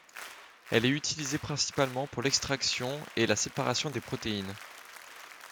Elle est utilisée principalement pour l'extraction et la séparation des protéines.